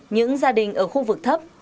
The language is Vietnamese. những gia đình ở khu vực thấp